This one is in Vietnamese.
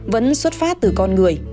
vẫn xuất phát từ con người